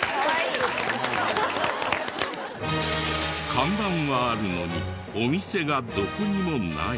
看板はあるのにお店がどこにもない。